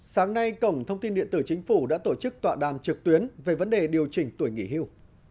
sáng nay cổng thông tin điện tử chính phủ đã tổ chức tọa đàm trực tuyến về vấn đề điều chỉnh tuổi nghỉ hưu